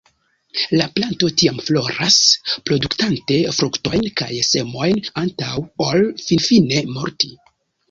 La planto tiam floras, produktante fruktojn kaj semojn antaŭ ol finfine morti.